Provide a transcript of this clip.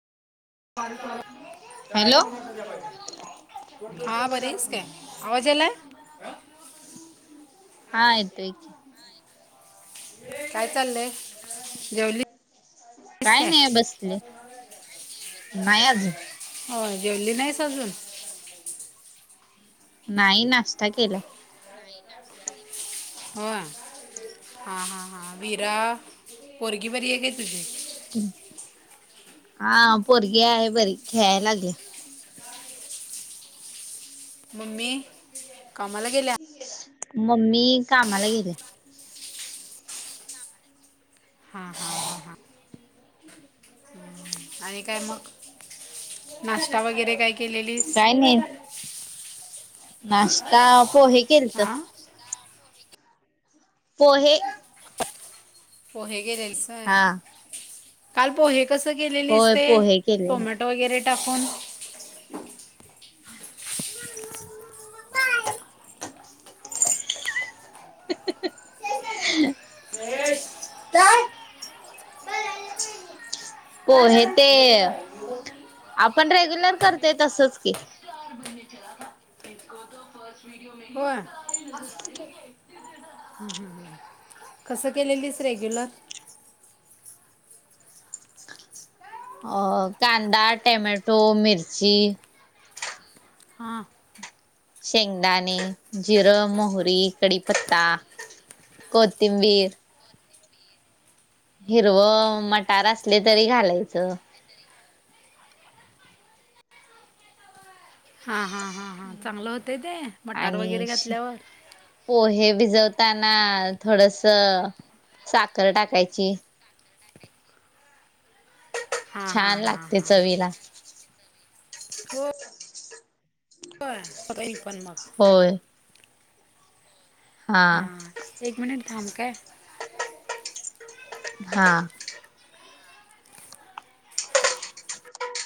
Hello हा बरच का आवाज आलाय हा यतय काय चाललंय जेवलीस काय नाही बसले मायाज हो जेवली नाही सजून नाही, नाश्ता केला. हो, हा हा हा विरा पोरगी बरी आहे का? ह् [unintelligible] हा पोरगी आहे बरी खेळाय लागली मम्मी कामाला गेल्या मम्मी कामाला गेले हां आणि काय मग नाश्ता वगैरे काय केलेलीस काय नाही नाष्टा पोहे केलत आ पोहे पोहे गेलेलस हा काल पोहे कसं होय केलेलीसते पोहे केले टोमॅटो वगैरे टाकून काय [inaudible] पोहे ते आपण रेग्युलर करते तसच की हो कसं केलेलीस रेग्युलर अ कांदा टोमॅटो मिरची हां शेंगदाणे जिरं मोहरी कडीपत्ता कोथिंबीर हिरव मटार असले तरी घालायचं हां हां हां हां चांगलं होतं ते मटार वगैरे आणि घातल्यावर पोहे भिजवताना थोडस साखर टाकायची हां हां छान हां लागते हां चवीला हो हो होय हा हां एक मिनिट थांब का हा